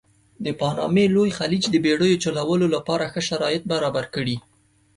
د پانامې لوی خلیج د بېړیو چلولو لپاره ښه شرایط برابر کړي.